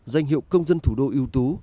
danh hiệu công dân thủ đô ưu tú